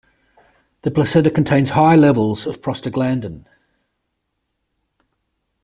The placenta contains high levels of prostaglandin.